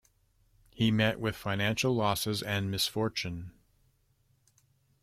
He met with financial losses and misfortune.